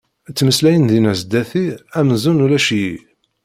Ttmeslayen dinna sdat-i amzun ulac-iyi.